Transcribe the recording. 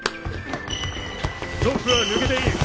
トップは抜けていい。